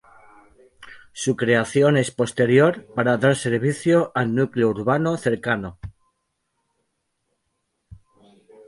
Su creación es posterior para dar servicio al núcleo urbano cercano.